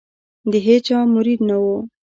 د هیچا مرید نه وو.